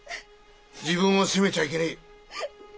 自分を責めちゃいけねえ。